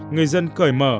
người dân cởi mở